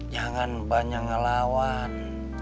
jangan banyak ngelawan